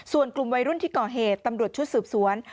ส่วนกลุ่มวัยรุ่นที่ก่อเหตุตำรวจชุดสืบสวน